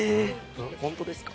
本当ですか？